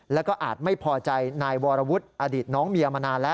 แล้วก็อาจไม่พอใจนายวรวุฒิอดีตน้องเมียมานานแล้ว